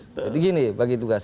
jadi gini bagi tugas